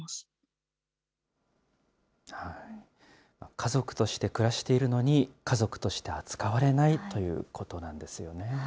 家族として暮らしているのに、家族として扱われないということなんですよね。